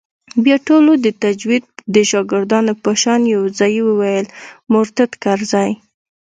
بيا ټولو د تجويد د شاگردانو په شان يو ځايي وويل مرتد کرزى.